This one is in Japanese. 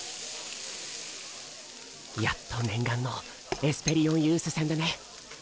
やっと念願のエスペリオンユース戦だね。